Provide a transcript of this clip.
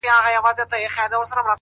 يوه څړيکه هوارې ته ولاړه ده حيرانه~